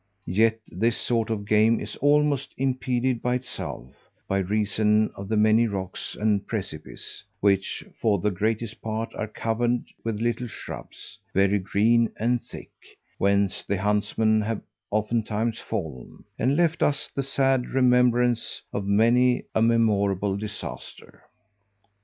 Yet this sort of game is almost impeded by itself, by reason of the many rocks and precipices, which, for the greatest part, are covered with little shrubs, very green and thick; whence the huntsmen have oftentimes fallen, and left us the sad remembrance of many a memorable disaster.